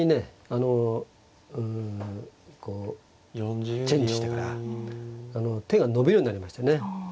あのこうチェンジしてから手が伸びるようになりましたね。